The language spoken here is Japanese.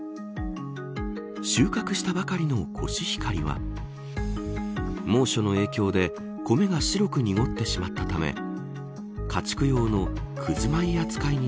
収穫したばかりのコシヒカリは猛暑の影響でコメが白く濁ってしまったため家畜用のくず米扱いに